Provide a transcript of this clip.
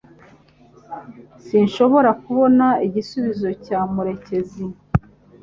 Sinshobora kubona igisubizo cya murekezi